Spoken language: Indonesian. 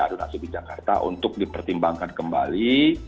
yang ingin bekerja di jakarta untuk dipertimbangkan kembali